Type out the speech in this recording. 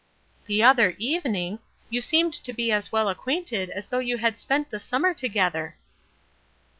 "The other evening! You seemed to be as well acquainted as though you had spent the summer together."